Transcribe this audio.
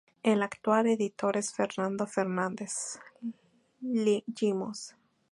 El actual editor es Fernando Fernández-Llimos.